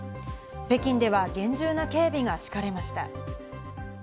北京では厳重な警備が敷かれました。